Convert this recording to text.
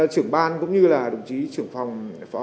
trưởng ban cũng như là đồng chí trưởng phòng